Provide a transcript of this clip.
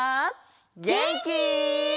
げんき？